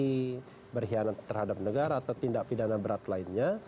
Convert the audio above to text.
korupsi berkhianat terhadap negara atau tindak pidana berat lainnya